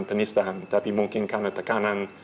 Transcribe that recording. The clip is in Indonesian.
penistaan tapi mungkin karena tekanan